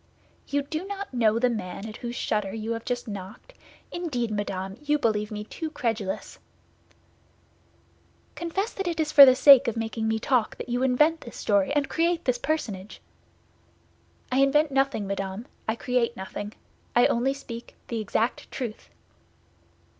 "You do not know the man at whose shutter you have just knocked? Indeed, madame, you believe me too credulous!" "Confess that it is for the sake of making me talk that you invent this story and create this personage." "I invent nothing, madame; I create nothing. I only speak that exact truth."